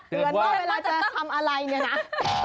เตือนมาจะทำอะไรนี่นะ